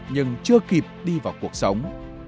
nhưng chưa kịp đi vào cuộc sống